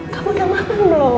kamu mau makan belum